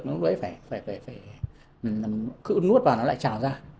nó phải cứ nuốt vào nó lại trào ra